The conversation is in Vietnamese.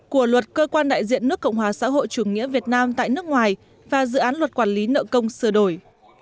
của luật cơ quan đại diện nước cộng hòa xã hội chủ nghĩa việt nam tại nước ngoài và dự án luật quản lý nợ công sửa đổi